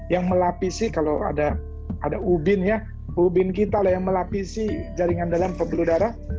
yang melapisi jaringan dalam pembuluh darah